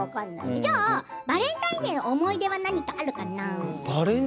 じゃあバレンタインデーの思い出は何かあるかな。